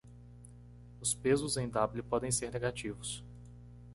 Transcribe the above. Os pesos em W podem ser negativos.